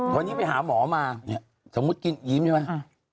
วันนี้ไปหาหมอมาเนี่ยสมมุติกินยิ้มใช่ไหม